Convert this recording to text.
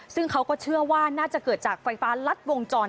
ซึ่งเขาก็เชื่อว่าน่าจะเกิดจากไฟฟ้ารัดวงจร